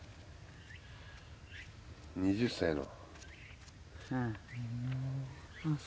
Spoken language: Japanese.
２０歳の。